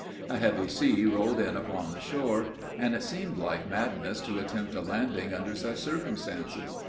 A heavy sea rolled in upon the shore, and it seemed like madness to attempt a landing under such circumstances.